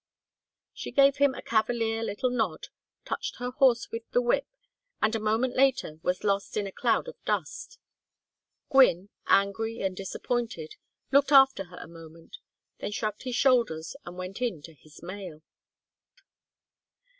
She gave him a cavalier little nod, touched her horse with the whip, and a moment later was lost in a cloud of dust. Gwynne, angry and disappointed, looked after her a moment, then shrugged his shoulders and went in to his mail.